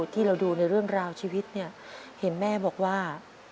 ที่เราดูในเรื่องราวชีวิตเนี่ยเห็นแม่บอกว่า